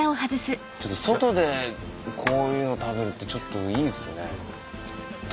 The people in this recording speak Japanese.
外でこういうの食べるってちょっといいっすね。